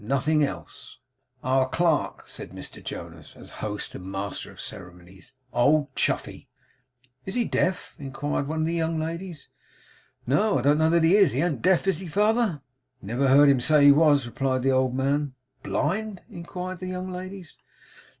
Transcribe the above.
Nothing else. 'Our clerk,' said Mr Jonas, as host and master of the ceremonies: 'Old Chuffey.' 'Is he deaf?' inquired one of the young ladies. 'No, I don't know that he is. He an't deaf, is he, father?' 'I never heard him say he was,' replied the old man. 'Blind?' inquired the young ladies.